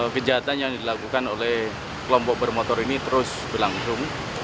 kejahatan yang dilakukan oleh kelompok bermotor ini terus berlangsung